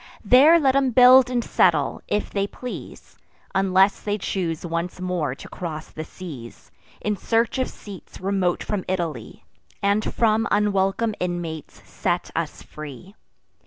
There let them build and settle, if they please; Unless they choose once more to cross the seas, In search of seats remote from Italy, And from unwelcome inmates set us free.